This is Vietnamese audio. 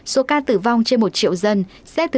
số ca tử vong trên một triệu dân xếp thứ một trăm một mươi bảy